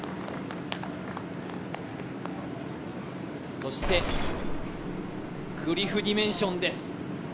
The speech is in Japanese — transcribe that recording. そしてクリフディメンションです。